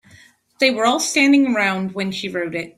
They were all standing around when she wrote it.